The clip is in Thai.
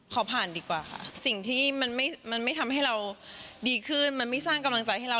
ขอผ่านดีกว่าค่ะสิ่งที่มันไม่ทำให้เราดีขึ้นมันไม่สร้างกำลังใจให้เรา